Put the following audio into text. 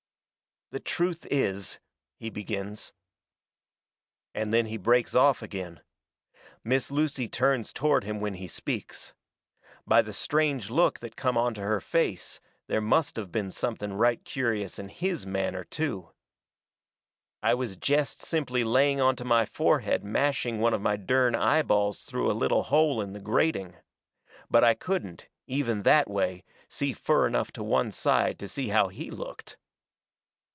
"The truth is " he begins. And then he breaks off agin. Miss Lucy turns toward him when he speaks. By the strange look that come onto her face there must of been something right curious in HIS manner too. I was jest simply laying onto my forehead mashing one of my dern eyeballs through a little hole in the grating. But I couldn't, even that way, see fur enough to one side to see how HE looked.